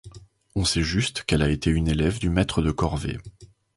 On sait juste qu'elle a été une élève du Maître de Corvée.